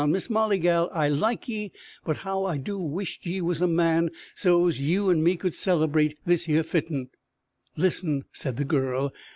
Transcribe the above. Miss Molly, gal, I like ye, but how I do wish't ye was a man, so's you an' me could celerbrate this here fitten!" "Listen!" said the girl.